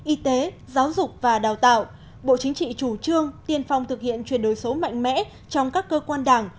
y tế giáo dục và đào tạo bộ chính trị chủ trương tiên phong thực hiện chuyển đổi số mạnh mẽ trong các cơ quan đảng